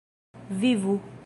vivu